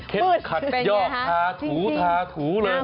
เค็ดขัดยอดทาถูทาถูเลย